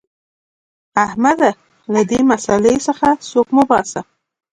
احمده! له دې مسئلې څخه سوک مه باسه.